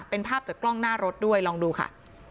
เป็นภาพจากกล้องหน้ารถด้วยลองดูค่ะ